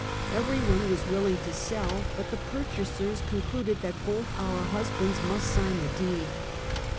Every one was willing to sell, but the purchasers concluded that both our husbands must sign the deed.